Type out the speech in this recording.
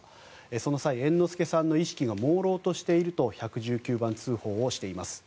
その際、猿之助さんの意識がもうろうとしていると１１９番通報をしています。